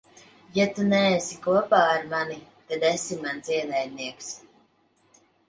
Ja tu neesi kopā ar mani, tad esi mans ienaidnieks.